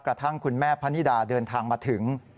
กระทั่งคุณแม่พะนิดาเดินทางมาถึง